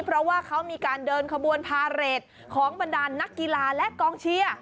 เพราะว่าเขามีการเดินขบวนพาเรทของบรรดานนักกีฬาและกองเชียร์